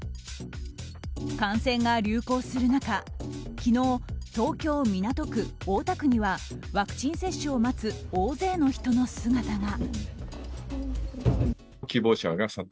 感染が流行する中、昨日東京・港区、大田区にはワクチン接種を待つ大勢の人の姿が。